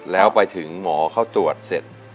แล้วไปถึงหมอเขาตรวจเสร็จ